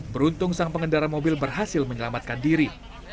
beruntung sang pengendara mobil berhasil menyelamatkan diri